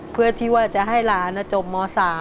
เพื่อที่ว่าจะให้หลานจบม๓